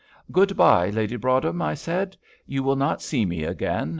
"Good bye, Lady Broadhem," I said, "you will not see me again.